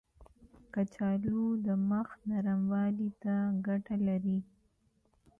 کچالو د مخ نرموالي ته ګټه لري.